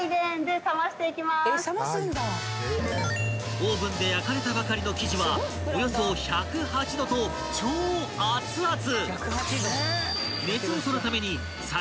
［オーブンで焼かれたばかりの生地はおよそ１０８℃と超アツアツ！］